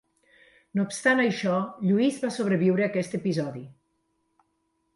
No obstant això, Lluís va sobreviure a aquest episodi.